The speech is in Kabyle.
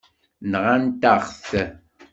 Nɣant-aɣ-t.